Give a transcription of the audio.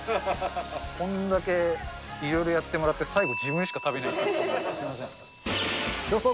こんだけいろいろやってもらって、最後、自分しか食べないっていう。